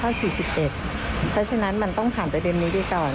เพราะฉะนั้นมันต้องผ่านประเด็นนี้ไปก่อน